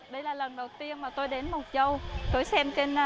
đây là lần đầu tiên mà tôi đến mộc châu